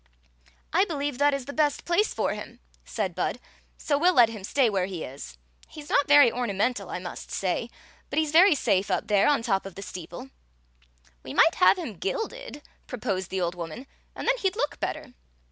" I believe that is the best place for him," said Bud ;" so we '11 let him stay where he is. He 's not very ornamental, I must say, but he *s very safe up there on top of the steeple" "We m'ight have him gilded," proposed the old woman, "and then he 'd look better."